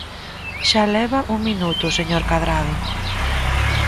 Xa leva un minuto, señor Cadrado.